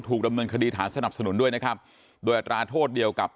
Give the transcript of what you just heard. ดำเนินคดีฐานสนับสนุนด้วยนะครับโดยอัตราโทษเดียวกับ